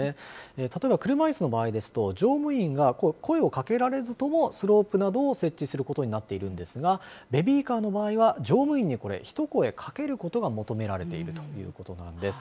例えば車いすの場合ですと、乗務員が声をかけられずとも、スロープなどを設置することになっているんですが、ベビーカーの場合は、乗務員に一声かけることが求められているということなんです。